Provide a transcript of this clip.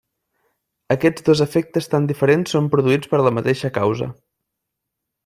Aquests dos efectes tan diferents són produïts per la mateixa causa.